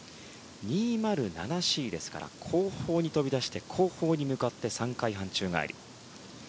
２０７Ｃですから後半に飛び出して後半に向かって３回宙返り。